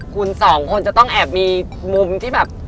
คุณสองคนจะต้องแอบมีมุมที่แบบ